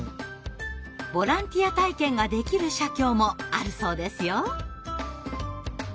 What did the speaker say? ボランティア体験ができる社協もあるそうですよ。